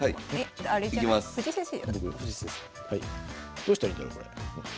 どうしたらいいんだろうこれ。